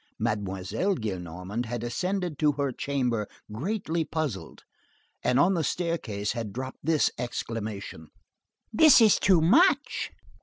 Mademoiselle Gillenormand had ascended to her chamber greatly puzzled, and on the staircase had dropped this exclamation: "This is too much!"